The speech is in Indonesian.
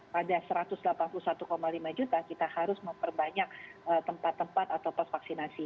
pada satu ratus delapan puluh satu lima juta kita harus memperbanyak tempat tempat atau pos vaksinasi